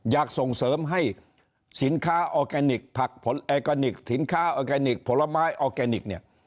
อยากส่งเสริมให้สินค้าออร์แกนิคผักผลออร์แกนิคสินค้าออร์แกนิคผลไม้ออร์แกนิคเนี่ย